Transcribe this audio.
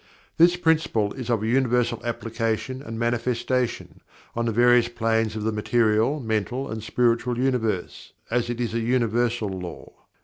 This Principle is of universal application and manifestation, on the various planes of the material, mental, and spiritual universe it is an Universal Law.